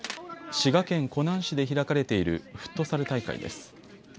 滋賀県湖南市で開かれているフットサル大会です。